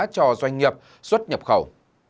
cho doanh nghiệp rút nhập khẩu